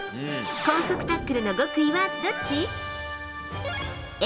高速タックルの極意はどっち？